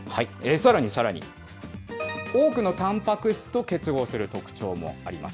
さらにさらに、多くのタンパク質と結合する特徴もあります。